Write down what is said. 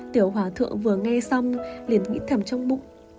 tiểu hòa thượng vừa nghe xong liền nghĩ thầm trong bụng